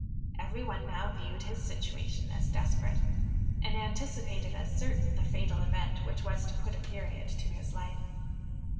Every one now viewed his situation as desperate; and anticipated, as certain, the fatal event which was to put a period to his life.